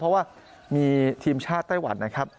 เพราะว่ามีทีมชาติไต้หวันนะครับ